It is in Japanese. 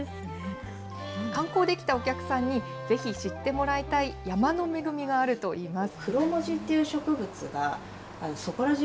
観光で来たお客さんにぜひ知ってもらいたい山の恵みがあるといいます。